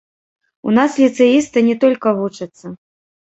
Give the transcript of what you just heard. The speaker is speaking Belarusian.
У нас ліцэісты не толькі вучацца.